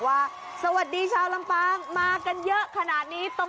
อย่าเบื่อการเมือง